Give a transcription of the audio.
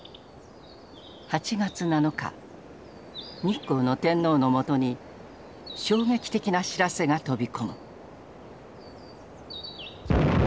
日光の天皇のもとに衝撃的な知らせが飛び込む。